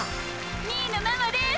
みーのママです！